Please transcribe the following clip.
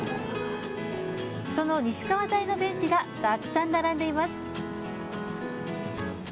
その西川材のベンチがたくさん並んでいます。